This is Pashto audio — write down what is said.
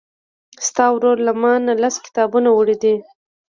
ستا ورور له مانه لس کتابونه وړي دي.